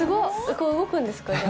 これ動くんですか？